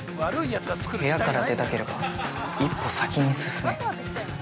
部屋から出たければ１歩先に進め。